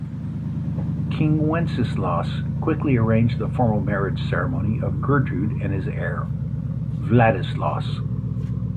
King Wenceslaus quickly arranged the formal marriage ceremony of Gertrude and his heir, Vladislaus.